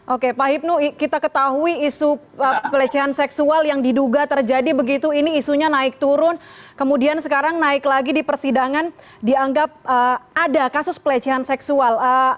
oke pak hipnu kita ketahui isu pelecehan seksual yang diduga terjadi begitu ini isunya naik turun kemudian sekarang naik lagi di persidangan dianggap ada kasus pelecehan seksual